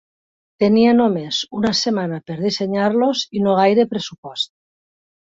Tenia només una setmana per dissenyar-los i no gaire pressupost.